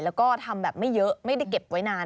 แล้วก็ทำแบบไม่เยอะไม่ได้เก็บไว้นาน